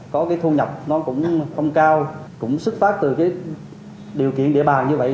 có cái thu nhập nó cũng không cao cũng xuất phát từ cái điều kiện địa bàn như vậy